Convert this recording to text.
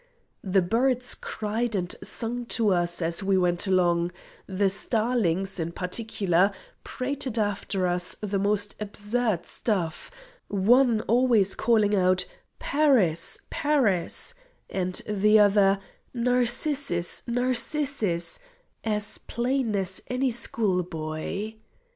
The birds cried and sung to us as we went along; the starlings, in particular, prated after us the most absurd stuff, one always calling out "Paris, Paris," and the other "Narcissus, Narcissus," as plain as any schoolboy.